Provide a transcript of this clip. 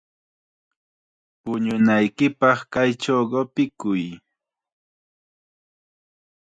Puñunaykipaq kaychaw qupikuy.